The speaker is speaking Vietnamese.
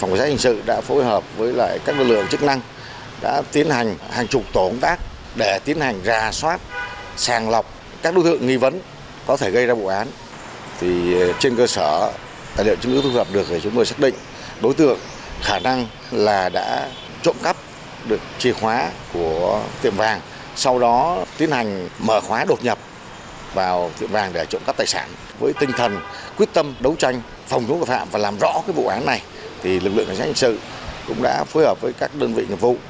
quyết tâm đấu tranh phòng chống phạm và làm rõ vụ án này lực lượng cảnh sát hình sự cũng đã phối hợp với các đơn vị nghiệp vụ